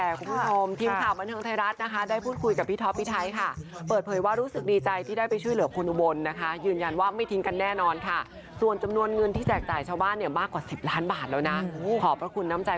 เอาเอาถึงแล้วกินให้หมวกไข้ไม่กินต่อยาย